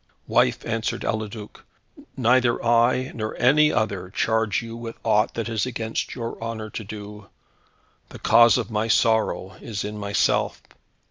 "Wife," answered Eliduc, "neither I, nor any other, charge you with aught that is against your honour to do. The cause of my sorrow is in myself.